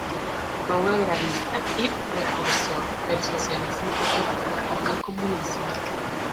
Fue un agrarista y precursor del socialismo utópico y del comunismo.